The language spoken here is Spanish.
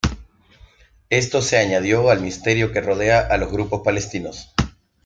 Esto se añadió al misterio que rodea a los grupos palestinos.